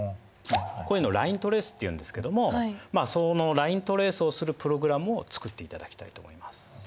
こういうのライントレースっていうんですけどもそのライントレースをするプログラムを作っていただきたいと思います。